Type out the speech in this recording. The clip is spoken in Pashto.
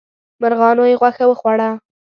مرغانو یې غوښه وخوړه.